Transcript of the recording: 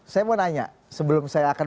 saya mau nanya sebelum saya akan